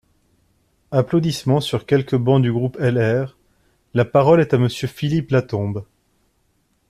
(Applaudissements sur quelques bancs du groupe LR.) La parole est à Monsieur Philippe Latombe.